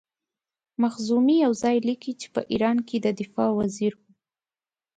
مخزومي یو ځای لیکي چې په ایران کې د دفاع وزیر وو.